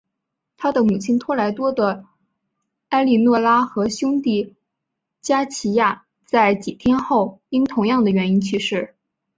他的母亲托莱多的埃利诺拉和兄弟加齐亚在几天后因同样的原因去世。